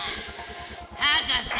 博士！